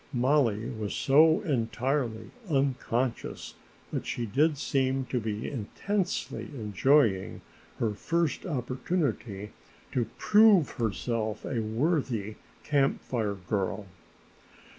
Mollie was so entirely unconscious, but she did seem to be intensely enjoying her first opportunity to prove herself a worthy Camp Fire Girl.